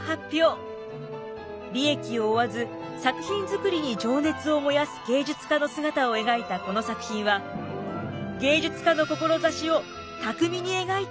利益を追わず作品作りに情熱を燃やす芸術家の姿を描いたこの作品は芸術家の志を巧みに描いていると高い評価を受けました。